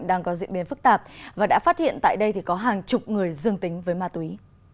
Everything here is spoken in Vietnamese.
đang có diễn biến phức tạp và đã phát hiện tại đây có hàng chục người dương tính với ma túy